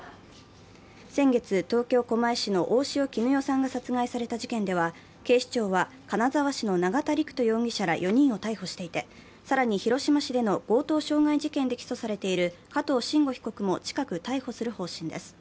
先月、東京・狛江市の大塩衣与さんが殺害された事件では、警視庁は金沢市の永田陸人容疑者ら４人を逮捕していて、更に、広島市での強盗傷害事件でも起訴されている加藤臣吾被告も近く逮捕する方針です。